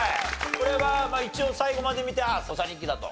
これはまあ一応最後まで見て『土佐日記』だと？